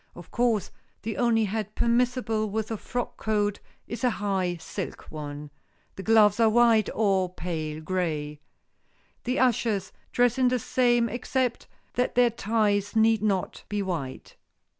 Of course, the only hat permissible with a frock coat is a high silk one. The gloves are white, or pale gray. The ushers' dress is the same except that their ties need not be white.